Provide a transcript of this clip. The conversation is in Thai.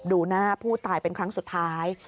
ดูหน้าผู้ตายเป็นครั้งสุดท้าย